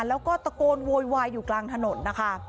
แล้วก็ตะโกนโวยวายอยู่กลางถนนนะคะ